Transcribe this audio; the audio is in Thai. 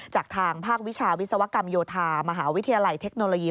จากทางภาควิชาวิศวกรรมโยธามหาวิทยาลัยเทคโนโลยี